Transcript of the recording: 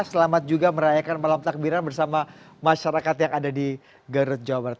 selamat juga merayakan malam takbiran bersama masyarakat yang ada di garut jawa barat